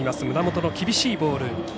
胸元の厳しいボール。